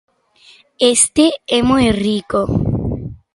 Este é moi rico.